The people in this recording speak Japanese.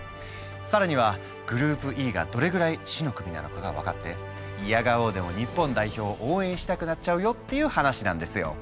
さらにはグループＥがどれぐらい死の組なのかが分かっていやがおうでも日本代表を応援したくなっちゃうよっていう話なんですよ。